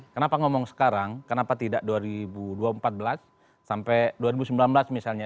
kenapa ngomong sekarang kenapa tidak dua ribu empat belas sampai dua ribu sembilan belas misalnya